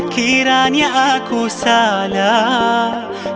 kiranya aku salah